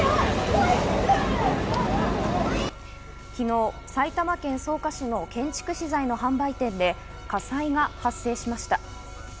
昨日、埼玉県草加市の建築資材の販売店で火災が発生しました。